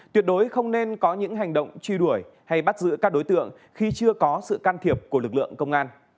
tuyệt đối không nên có những hành động truy đuổi hay bắt giữ các đối tượng khi chưa có sự can thiệp của lực lượng công an